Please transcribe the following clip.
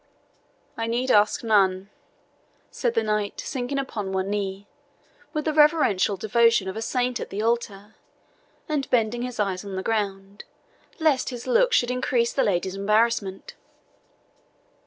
"I need ask none," said the knight, sinking upon one knee, with the reverential devotion of a saint at the altar, and bending his eyes on the ground, lest his looks should increase the lady's embarrassment.